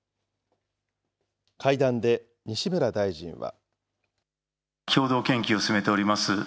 会談で西村大臣は。